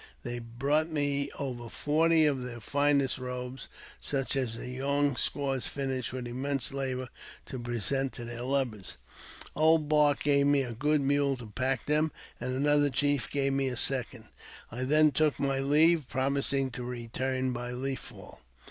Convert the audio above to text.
They brought me over forty of their finest robes, such as the young squaws finish with immense labour to present to their lovers. Old Bark gave me a good mule to pack them, and another chief gave me a second. I then took my leave, promising to return by Leaf Fall.